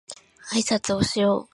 あいさつをしよう